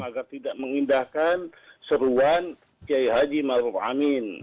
agar tidak mengindahkan seruan ketua mui ma'ruf amin